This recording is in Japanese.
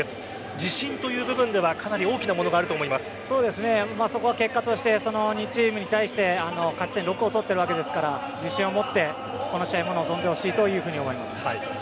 自信という部分ではかなり大きなものがあるとそこは結果として２チームに対して勝ち点６を取っているわけですから自信を持ってこの試合も臨んでほしいと思います。